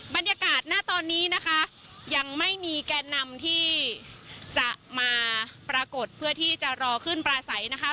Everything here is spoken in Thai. บรรยากาศหน้าตอนนี้นะคะยังไม่มีแกนนำที่จะมาปรากฏเพื่อที่จะรอขึ้นปลาใสนะคะ